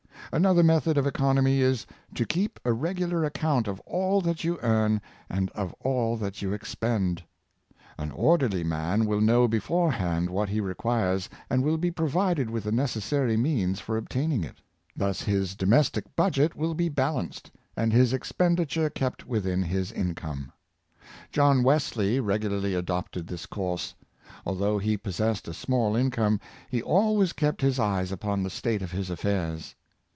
Another method of economy is, to keep a regular ac count of all that you earn and of all that you expend. An 27 418 Prudent Eco7i07ny. orderly man will know before hand what he requires, and will be provided with the necessary means for ob taining it. Thus his domestic budget will be balanced, and his expenditure kept within his income. John Wesley regularly adopted this course. Although he possessed a small income, he always kept his eyes upon the state of his affairs.